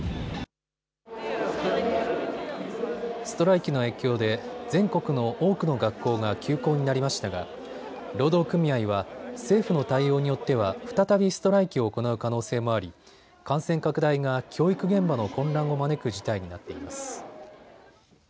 ストライキの影響で全国の多くの学校が休校になりましたが労働組合は政府の対応によっては再びストライキを行う可能性もあり感染拡大が教育現場の混乱を招く事態になっています。